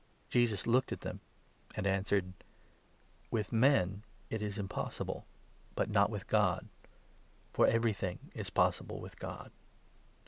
Jesus looked at them, and answered : 27 "With men it is impossible, but not with God ; for every thing is possible with God."